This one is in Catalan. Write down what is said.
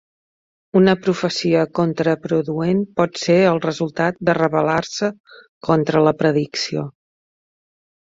Una profecia contraproduent pot ser el resultat de rebel·lar-se contra la predicció.